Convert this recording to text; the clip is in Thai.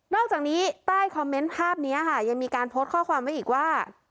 อกจากนี้ใต้คอมเมนต์ภาพนี้ค่ะยังมีการโพสต์ข้อความไว้อีกว่า